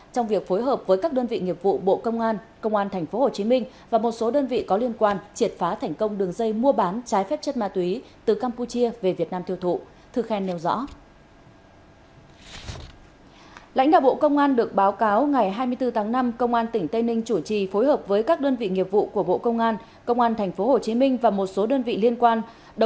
trong việc phối hợp với các đơn vị nghiệp vụ bộ công an công an tp hcm và một số đơn vị có liên quan